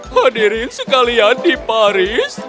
hadirin sekalian di paris